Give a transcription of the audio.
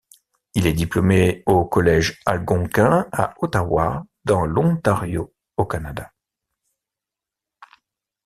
Il est diplômé au Collège algonquin à Ottawa dans l'Ontario au Canada.